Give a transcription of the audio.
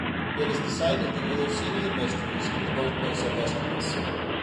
It is the site of the Eleusinian Mysteries and the birthplace of Aeschylus.